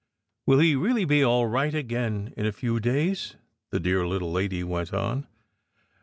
"Will he really be all right again in a few days?" the dear little lady went on.